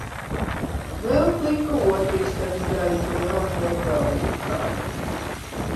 Vēl plika otra istabas daļa, kur jāuzliek vēl viena kārta.